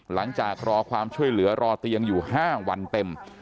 รอความช่วยเหลือรอเตียงอยู่๕วันเต็ม